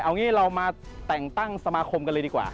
เอางี้เรามาแต่งตั้งสมาคมกันเลยดีกว่า